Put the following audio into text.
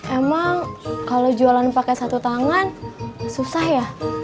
emang kalau jualan pakai satu tangan susah ya